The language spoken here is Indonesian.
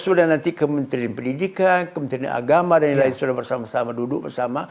sudah nanti kementerian pendidikan kementerian agama dan lain lain sudah bersama sama duduk bersama